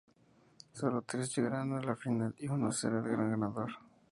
Sólo tres llegarán a la final y uno será el gran ganador.